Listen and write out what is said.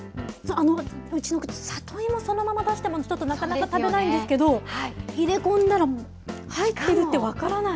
うちの子、里芋そのまま出してもちょっとなかなか食べないんですけど、入れ込んだら、入ってるって分からない。